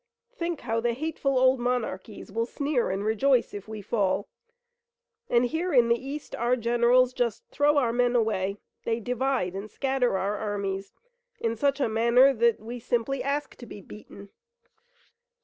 Think how the hateful old monarchies will sneer and rejoice if we fall, and here in the East our generals just throw our men away! They divide and scatter our armies in such a manner that we simply ask to be beaten."